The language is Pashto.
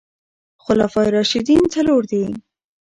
خلفاء راشدين څلور دي